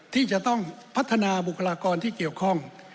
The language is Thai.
ที่จะต้องพัฒนาบุคลากรที่เกี่ยวข้อง